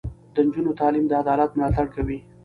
د نجونو تعلیم د عدالت ملاتړ کوي.